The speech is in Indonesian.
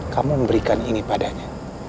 kamu memberikan ini padanya